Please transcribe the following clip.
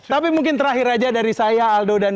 tapi mungkin terakhir aja dari saya aldo dan